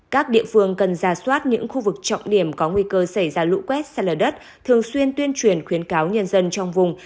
các địa phương cần ra soát những khu vực trọng điểm có nguy cơ xảy ra lũ quét xa lở đất thường xuyên tuyên truyền khuyến cáo nhân dân trong vùng